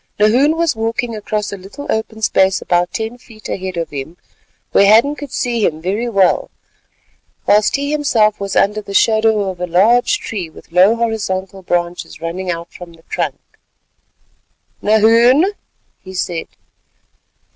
Nahoon was walking across a little open space about ten paces ahead of him where Hadden could see him very well, whilst he himself was under the shadow of a large tree with low horizontal branches running out from the trunk. "Nahoon," he said.